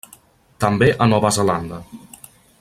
També a Nova Zelanda.